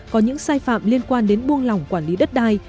có những sai phạm liên quan đến buông lỏng quản lý đất đai